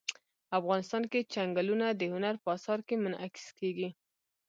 افغانستان کې چنګلونه د هنر په اثار کې منعکس کېږي.